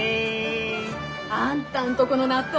あんたんとこの納豆